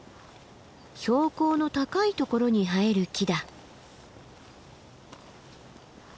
標高の高いところに生える木だ。